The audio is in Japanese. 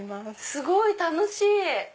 すごい楽しい！